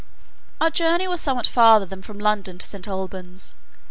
Our journey was somewhat farther than from London to St. Alban's.